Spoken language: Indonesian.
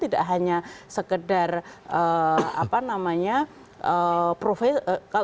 tidak hanya sekedar profesor